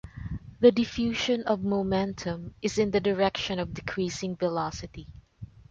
The diffusion of momentum is in the direction of decreasing velocity.